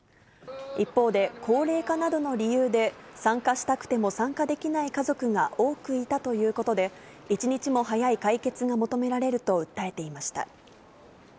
一方で、高齢化などの理由で、参加したくても参加できない家族が多くいたということで、一日も早い解決が求められると訴えていました。